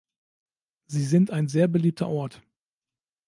Sie sind ein sehr beliebter Ort.